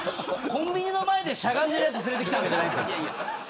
コンビニの前でしゃがんでるやつ連れてきたわけじゃないんです。